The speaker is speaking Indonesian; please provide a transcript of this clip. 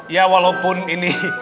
ya walaupun ini